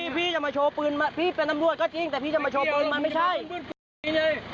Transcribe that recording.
พี่จะมาโชว์ปืนพี่เป็นตำรวจก็จริงแต่พี่จะมาโชว์ปืนมันไม่ใช่